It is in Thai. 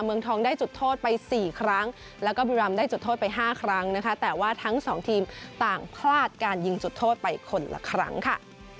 เมืองทองได้จุดโทษไป๔ครั้งแล้วก็บุรีรำได้จุดโทษไป๕ครั้งนะคะแต่ว่าทั้งสองทีมต่างพลาดการยิงจุดโทษไปคนละครั้งค่ะ